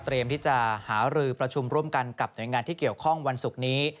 ที่จะหารือประชุมร่วมกันกับหน่วยงานที่เกี่ยวข้องวันศุกร์นี้